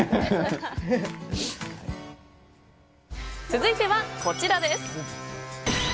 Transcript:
続いてはこちらです。